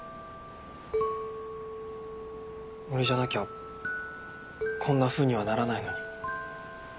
俺じゃなきゃこんなふうにはならないのに。